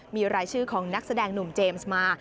มีรายชื่อของนักแสดงหนุ่มเจมส์มา